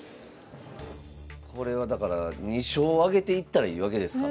これはだから２勝挙げていったらいいわけですから。